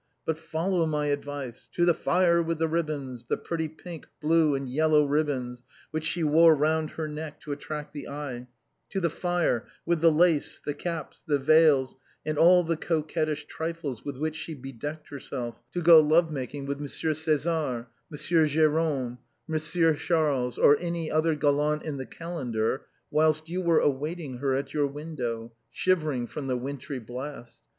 But follow my advice — to the fire with the ribbons, tlie pretty pink, blue, and yellow ribbons which she wore round her neck to attract the eye; to the fire with the lace, the caps, the veils and all the coquettish trifles with which she bedecked herself to go love making with Monsieur César, Monsieur Jerome, Monsieur Charles, or any other gallant in the calendar, whilst you were awaiting her at your window, shivering from the wintry blast.